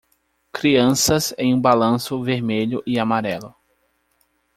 Crianças em um balanço vermelho e amarelo.